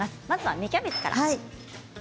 まずは芽キャベツから。